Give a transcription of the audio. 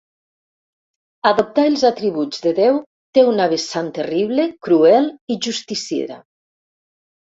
Adoptar els atributs de Déu té una vessant terrible, cruel i justiciera.